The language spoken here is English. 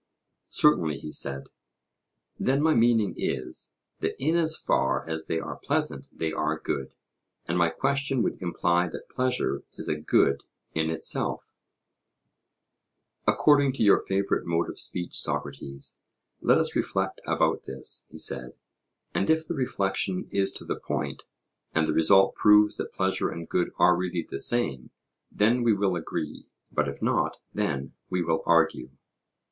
Certainly, he said. Then my meaning is, that in as far as they are pleasant they are good; and my question would imply that pleasure is a good in itself. According to your favourite mode of speech, Socrates, 'Let us reflect about this,' he said; and if the reflection is to the point, and the result proves that pleasure and good are really the same, then we will agree; but if not, then we will argue.